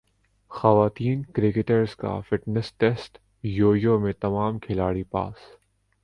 خواتین کرکٹرز کا fitness test yo yo میں تمام کھلاڑی پاس